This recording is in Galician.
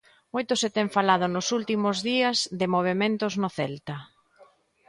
Moito se ten falado nos últimos días de movementos no Celta.